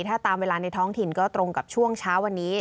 ถ้าตามเวลาในท้องถิ่นก็ตรงกับช่วงเช้าวันนี้